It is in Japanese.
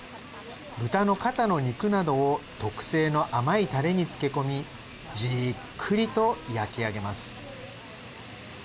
豚の肩の肉などを特製の甘いタレに漬け込みじっくりと焼き上げます。